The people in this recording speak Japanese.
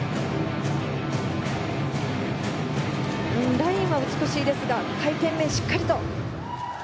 ラインは美しいですが回転面、しっかりと。